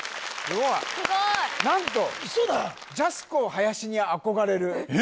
すごい何とジャスコ林に憧れる嘘だ！